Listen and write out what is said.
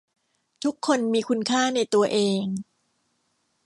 ทุกคนมีคุณค่าในตัวเอง